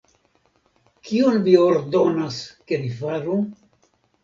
Kion vi ordonas, ke ni faru?